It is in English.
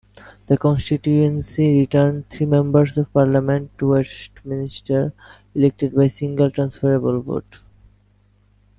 The constituency returned three Members of Parliament to Westminster, elected by Single Transferable Vote.